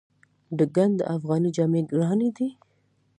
د ګنډ افغاني جامې ګرانې دي؟